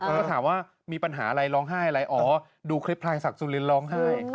แล้วก็ถามว่ามีปัญหาอะไรร้องไห้อะไรอ๋อดูคลิปพลายศักดิ์สุรินร้องไห้